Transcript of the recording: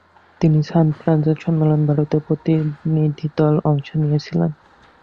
তিনি San Francisco সম্মেলনে ভারতীয় প্রতিনিধিদলে অংশ নিয়েছিলেন।